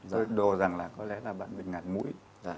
tôi đồ rằng là có lẽ là bạn bị ngạt mũi